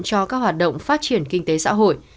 cho các hoạt động phát triển kinh tế xã hội